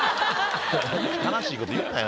悲しいこと言うなよ。